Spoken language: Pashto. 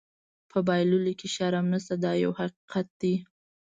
په بایللو کې شرم نشته دا یو حقیقت دی.